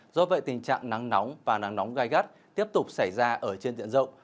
do vậy tình trạng nắng nóng và nắng nóng gai gắt tiếp tục xảy ra ở trên diện rộng